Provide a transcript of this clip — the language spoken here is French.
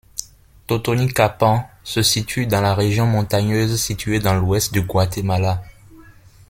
Totonicapán se situe dans la région montagneuse située dans l'ouest du Guatemala.